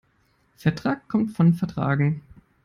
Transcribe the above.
Vertrag kommt von vertragen.